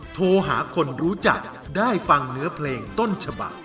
โทรหาคนรู้จักได้ฟังเนื้อเพลงต้นฉบัก